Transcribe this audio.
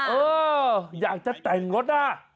เอออยากจะแต่งรถอ่ะ